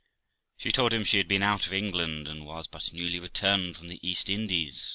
She told him she had been out of England, and was but newly returned from the East Indies.